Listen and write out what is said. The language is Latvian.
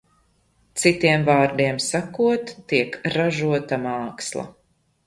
Citiem vārdiem sakot, tiek ražota māksla.